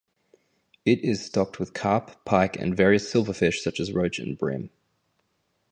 It is stocked with Carp, Pike and various silverfish such as Roach and Bream.